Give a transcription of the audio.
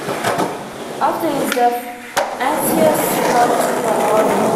After his death, Ancaeus piloted the "Argo".